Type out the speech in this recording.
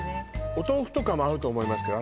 お豆腐とかも合うと思いますよ